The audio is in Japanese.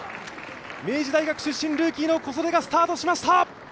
明治大学出身、ルーキーの小袖がスタートしました。